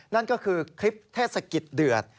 นั่นก็คือคลิปเทศกิจเดือด